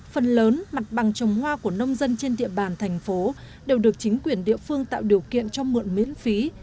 phần lớn mặt bằng trồng hoa của nông dân trên địa bàn thành phố đều được chính quyền địa phương tạo điều kiện cho mượn miễn phí